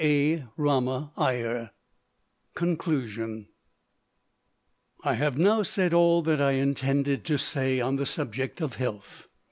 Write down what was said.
CHAPTER XIV CONCLUSION I have now said all that I had intended to say on the subject of health.